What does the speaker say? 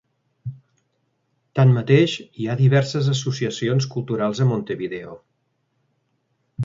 Tanmateix, hi ha diverses associacions culturals a Montevideo.